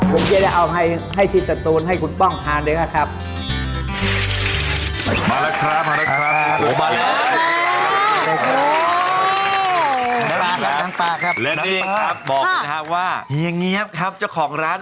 ผมจะได้เอาให้ให้ทิศตูนให้คุณป้องทานด้วยฮะครับ